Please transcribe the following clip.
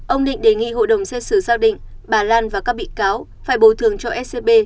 ông định đề nghị hội đồng xét xử xác định bà lan và các bị cáo phải bồi thường cho scb